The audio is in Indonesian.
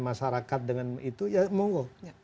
masyarakat dengan itu ya monggo